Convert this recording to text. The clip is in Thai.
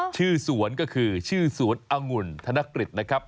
ชื่อสวนก็คือชื่อสวนองุ่นธนกฤษนะครับ